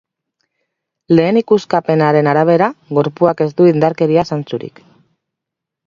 Lehen ikuskapenaren arabera, gorpuak ez du indarkeria zantzurik.